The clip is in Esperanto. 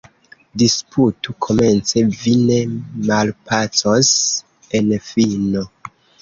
Disputu komence — vi ne malpacos en fino.